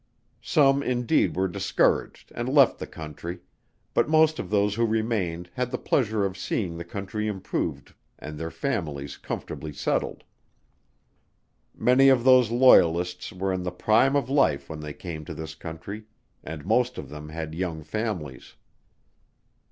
Some indeed were discouraged and left the country; but most of those who remained had the pleasure of seeing the country improved and their families comfortably settled. Many of those Loyalists were in the prime of life when they came to this country; and most of them had young families.